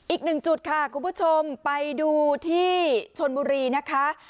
อีกหนึ่งจุดค่ะคุณผู้ชมไปดูที่ชนบุรีนะคะ